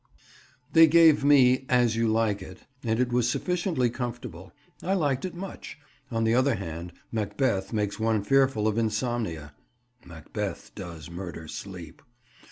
They gave me As you Like It, and it was sufficiently comfortable: I liked it much. On the other hand, Macbeth makes one fearful of insomnia. "Macbeth does murder sleep."